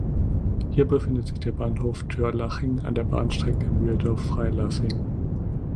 Hier befindet sich der Bahnhof Tyrlaching an der Bahnstrecke Mühldorf–Freilassing.